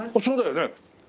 そうだよね。